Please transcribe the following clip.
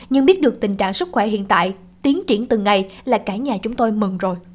nhưng biết được tình trạng sức khỏe hiện tại tiến triển từng ngày là cả nhà chúng tôi mừng rồi